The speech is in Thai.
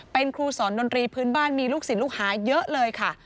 เป็นครูสอนดนตรีพื้นบ้านมีลูกศิษย์ลูกหาเยอะเลยค่ะ